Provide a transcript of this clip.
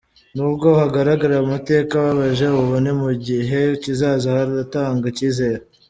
Nubwo hagaragara amateka ababaje, ubu no mu gihe kizaza haratanga icyizere”.